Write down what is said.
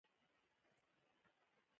دوی د اقتصادي ښېرازۍ ریښه لري او پرمختګ کوي.